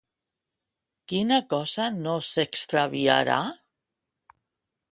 Quina cosa no s'extraviarà?